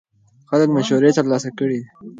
خلک مشورې ترلاسه کړې دي.